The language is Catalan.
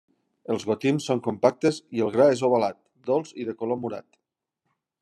Els gotims són compactes i el gra és ovalat, dolç i de color morat.